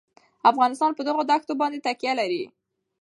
افغانستان په دغو دښتو باندې تکیه لري.